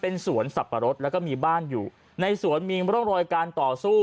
เป็นสวนสับปะรดแล้วก็มีบ้านอยู่ในสวนมีร่องรอยการต่อสู้